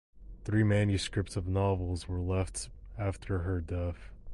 Three manuscripts of novels were left after her death.